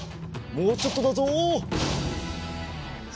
もうちょっとだぞ。